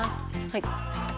はい。